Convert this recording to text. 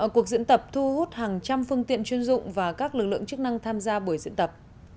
cuộc diễn tập thu hút hàng trăm phương tiện chuyên dụng và các lực lượng chức năng tham gia buổi diễn tập